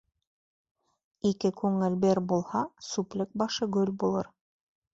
Ике күңел бер булһа, сүплек башы гөл булыр.